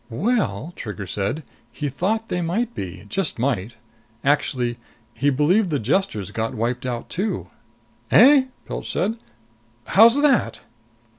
"Well," Trigger said, "he thought they might be. Just might. Actually he believed the Jesters got wiped out too." "Eh?" Pilch said. "How's that?"